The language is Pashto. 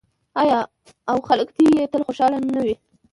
آیا او خلک دې یې تل خوشحاله نه وي؟